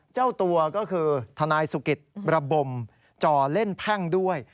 เจ้าตัวก็คือทนายสุกิตระบมจ่อเล่นแพ่งด้วย